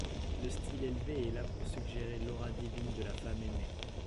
Le style élevé est là pour suggérer l'aura divine de la femme aimée.